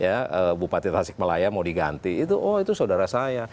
ya bupati tasikmalaya mau diganti itu oh itu saudara saya